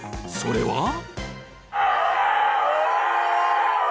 ［それは］